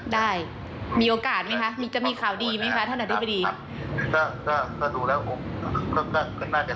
ได้มีโอกาสมั้ยคะจะมีข่าวดีมั้ยคะถ้าหนังด้วยไปดี